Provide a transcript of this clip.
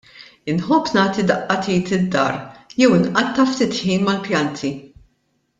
Inħobb nagħti daqqa t'id id-dar jew nqatta' ftit ħin mal-pjanti.